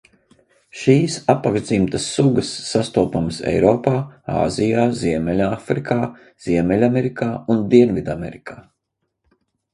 Šīs apakšdzimtas sugas sastopamas Eiropā, Āzijā, Ziemeļāfrikā, Ziemeļamerikā un Dienvidamerikā.